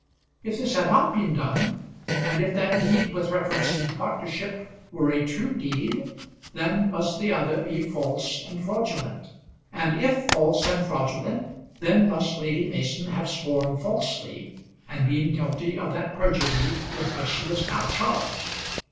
If this had not been done, and if that deed with reference to the partnership were a true deed, then must the other be false and fraudulent; and if false and fraudulent, then must Lady Mason have sworn falsely, and been guilty of that perjury with which she was now charged.